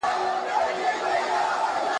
یوه بل ته د قومي او ژبني تعصب پېغورونه ورکول !.